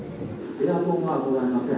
エアコンはございません。